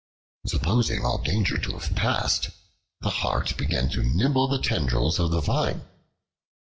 Supposing all danger to have passed, the Hart began to nibble the tendrils of the Vine.